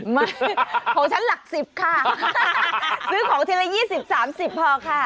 ไม่ของฉันหลัก๑๐ค่ะซื้อของทีละ๒๐๓๐พอค่ะ